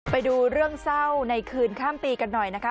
ไปดูเรื่องเศร้าในคืนข้ามปีกันหน่อยนะคะ